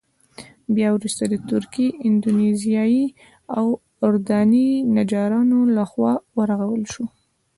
بیا وروسته د تركي، اندونيزيايي او اردني نجارانو له خوا ورغول شو.